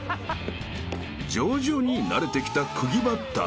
［徐々に慣れてきた釘バッター］